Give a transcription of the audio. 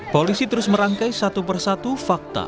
polisi terus merangkai satu persatu fakta